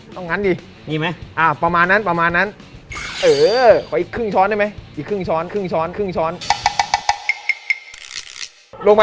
ต้องงัดดิประมาณนั้นอีกครึ่งช้อนได้ไหม